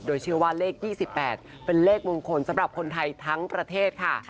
โดยเชื่อว่าเลข๒๘เป็นเลขมงคลสำหรับคนไทยทั้งประเทศค่ะ